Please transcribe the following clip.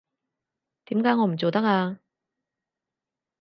點解我唔做得啊？